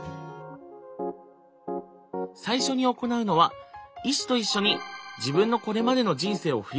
最初に行うのは医師と一緒に自分のこれまでの人生を振り返ること。